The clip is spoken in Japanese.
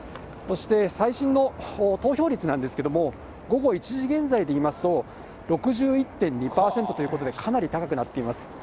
そして最新の投票率なんですけれども、ごご１時現在でいいますと、６１．２％ということで、かなり高くなっています。